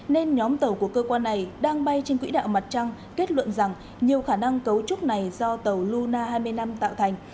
nên nhóm tàu của cơ quan này đang bay trên quỹ đạo mặt trăng kết luận rằng nhiều khả năng cấu trúc này do tàu luna hai mươi năm tạo thành